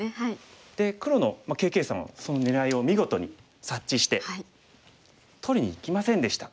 で黒のＫ．Ｋさんはその狙いを見事に察知して取りにいきませんでした。